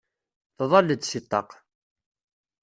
Tḍall-d seg ṭṭaq.